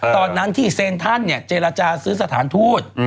ตอนนั้นที่เซนทันเจรจาซื้อสถานทูต